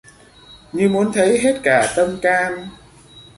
Như muốn thấy hết cả tâm can